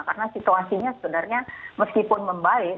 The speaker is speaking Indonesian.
karena situasinya sebenarnya meskipun membaik